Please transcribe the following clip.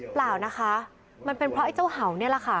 เปล่านะคะมันเป็นเพราะไอ้เจ้าเห่านี่แหละค่ะ